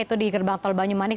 itu di gerbang tol banyumanik